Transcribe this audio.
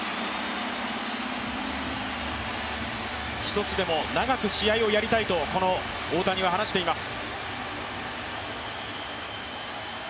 １つでも長く試合をやりたいとこの大谷は話しています。